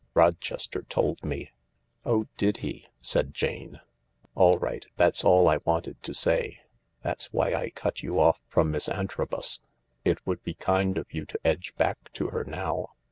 " Rochester told me." " Oh, did he ?" said Jane. " All right, that's all I wanted to say. That's why I cut you oft from Miss Antrobus. It would be kind of you to edge back to her now.